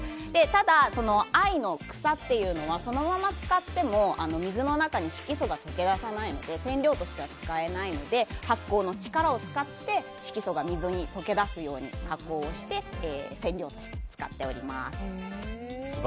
ただ、藍の草というのはそのまま使っても水の中に色素が溶け出さないので染料としては使えないので発酵の力を使って色素が水に溶け出すように加工して染料として使っております。